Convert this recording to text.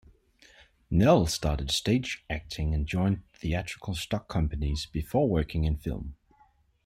Nell started stage acting and joined theatrical stock companies before working in film.